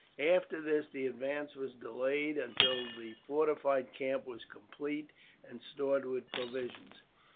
After this the advance was delayed until the fortified camp was complete and stored with provisions.